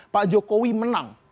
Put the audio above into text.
pak jokowi menang